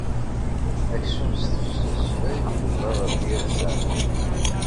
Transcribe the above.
Aksum s tefses ay yebḍa ɣef yiɣsan.